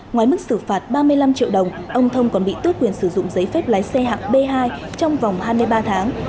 ngoài mức xử phạt ba mươi năm triệu đồng ông thông còn bị tước quyền sử dụng giấy phép lái xe hạng b hai trong vòng hai mươi ba tháng